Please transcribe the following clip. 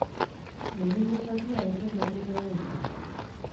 Lehenengo zatia ez zen batere ona izan.